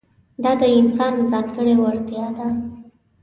دا د انسان ځانګړې وړتیا ده.